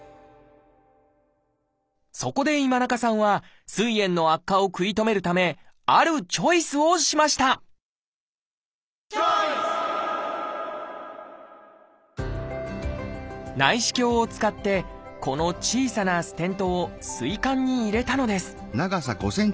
そこで今中さんはすい炎の悪化を食い止めるためあるチョイスをしました内視鏡を使ってこの小さなステントをすい管に入れたのです